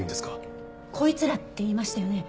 「こいつら」って言いましたよね。